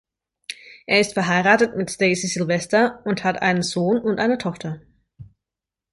Er ist verheiratet mit Stacy Sylvester und hat einen Sohn und eine Tochter.